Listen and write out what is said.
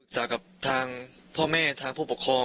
ฝากกับทางพ่อแม่ทางผู้ปกครอง